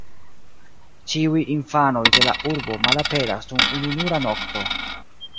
Ĉiuj infanoj de la urbo malaperas dum ununura nokto.